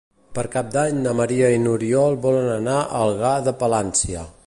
Per Cap d'Any na Maria i n'Oriol volen anar a Algar de Palància.